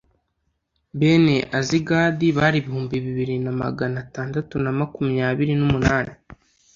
Bene Azigadi bari ibihumbi bibiri na magana atandatu na makumyabiri n’umunani